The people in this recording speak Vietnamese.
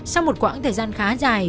sau một quãng thời gian khá dài